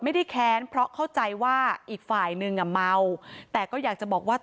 แค้นเพราะเข้าใจว่าอีกฝ่ายนึงอ่ะเมาแต่ก็อยากจะบอกว่า